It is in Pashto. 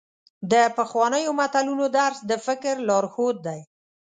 د پخوانیو متلونو درس د فکر لارښود دی.